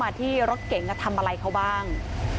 เข้ามาที่รถเก่งก็ทำอะไรเขาบ้าง